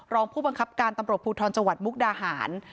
รองผู้บังคับการตำรวจภูทรจังหวัดมุกดาหาร